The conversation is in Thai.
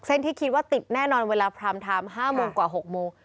ที่คิดว่าติดแน่นอนเวลาพรามไทม์๕โมงกว่า๖โมง